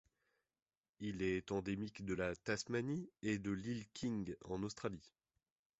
Il est endémique de la Tasmanie et de l'île King en Australie.